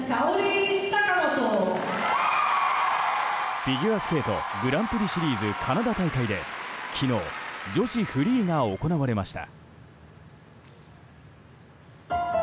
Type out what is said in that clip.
フィギュアスケートグランプリシリーズカナダ大会で昨日、女子フリーが行われました。